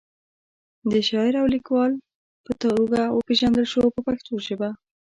د شاعر او لیکوال په توګه وپیژندل شو په پښتو ژبه.